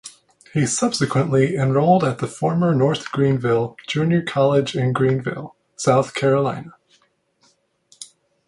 He subsequently enrolled at the former North Greenville Junior College in Greenville, South Carolina.